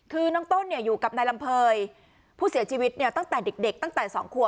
คือน้องต้นอยู่กับนายลำเภยผู้เสียชีวิตเนี่ยตั้งแต่เด็กตั้งแต่๒ควบ